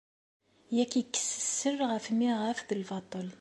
Yak ikkes sser ɣef miɣaf d lbaṭel.